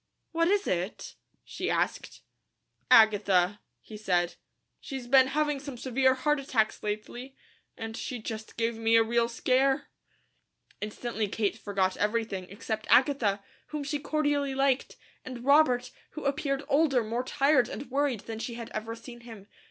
"What is it?" she asked. "Agatha," he said. "She's been having some severe heart attacks lately, and she just gave me a real scare." Instantly Kate forgot everything, except Agatha, whom she cordially liked, and Robert, who appeared older, more tired, and worried than she ever had seen him.